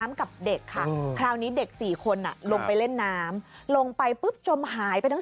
กับเด็กค่ะคราวนี้เด็ก๔คนลงไปเล่นน้ำลงไปปุ๊บจมหายไปทั้ง